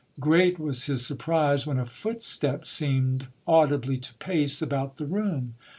Great was his surprise when a footstep seemed audibly to pace about the room.